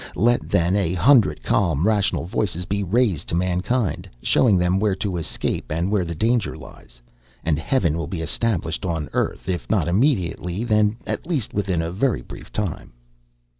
Let, then, a hundred calm, rational voices be raised to mankind, showing them where to escape and where the danger lies and heaven will be established on earth, if not immediately, then at least within a very brief time.